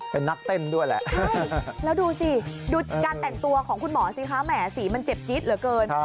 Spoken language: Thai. เป็นนักเต้นด้วยแหละแล้วดูสิดูการแต่งตัวของคุณหมอสิคะแหมสีมันเจ็บจิ๊ดเหลือเกิน